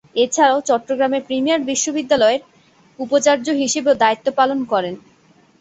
এছাড়াও, চট্টগ্রামের প্রিমিয়ার বিশ্ববিদ্যালয়ের উপাচার্য হিসেবেও দায়িত্ব পালন করেন।